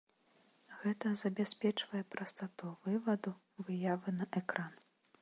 Гэта забяспечвае прастату вываду выявы на экран.